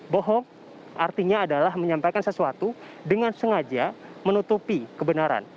bohong artinya adalah menyampaikan sesuatu dengan sengaja menutupi kebenaran